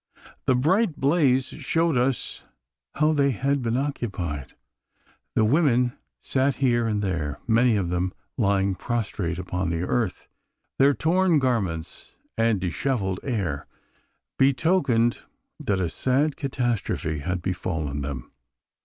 The bright blaze showed us how they had been occupied. The women sat here and there, many of them lying prostrate upon the earth. Their torn garments and dishevelled air betokened that a sad catastrophe had befallen them!